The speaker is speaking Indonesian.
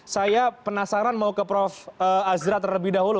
saya penasaran mau ke prof azra terlebih dahulu